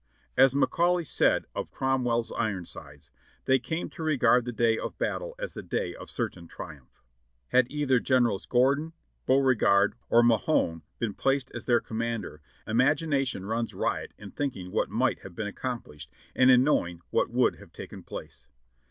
As Ma caulay said of Cromwell's Ironsides, ''they came to regard the day of battle as the day of certain triumph." Had either Generals Gordon, Beauregard, or ]\Iahone been placed as their commander, imagination runs riot in thinking what might have been accomplished and in knowing what would have taken place.